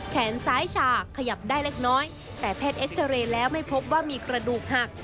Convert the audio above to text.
แขนซ้ายฉากขยับได้เล็กน้อยแต่แพทย์เอ็กซาเรย์แล้วไม่พบว่ามีกระดูกหัก